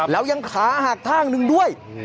ละยังขาหากทางหนึ่งด้วย